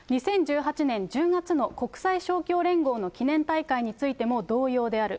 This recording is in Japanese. ２０１８年１０月の国際勝共連合の記念大会についても同様である。